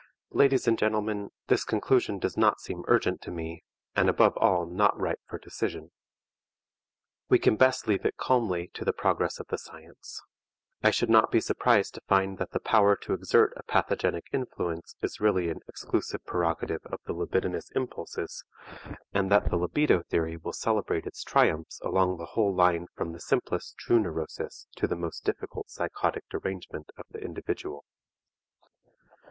Ladies and gentlemen, this conclusion does not seem urgent to me, and above all not ripe for decision. We can best leave it calmly to the progress of the science. I should not be surprised to find that the power to exert a pathogenic influence is really an exclusive prerogative of the libidinous impulses, and that the libido theory will celebrate its triumphs along the whole line from the simplest true neurosis to the most difficult psychotic derangement of the individual.